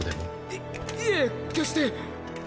いいえ決して。